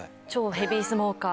ヘビースモーカー